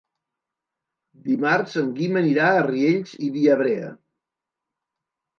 Dimarts en Guim anirà a Riells i Viabrea.